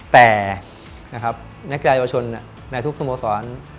แต่แน็ตกรายเยาวชนในทุกสมสอน